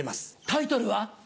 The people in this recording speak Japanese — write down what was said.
タイトルは？